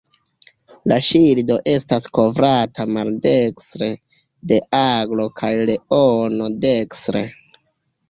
La ŝildo estas kovrata maldekstre de aglo kaj leono dekstre.